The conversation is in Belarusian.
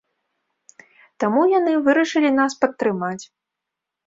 Таму яны вырашылі нас падтрымаць.